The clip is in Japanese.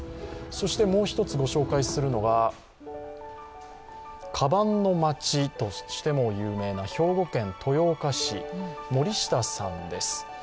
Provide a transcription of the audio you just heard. もう一つご紹介するのがかばんの町としても有名な兵庫県豊岡市、森下さんです。